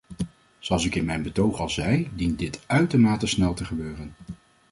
Zoals ik in mijn betoog al zei dient dit uitermate snel te gebeuren.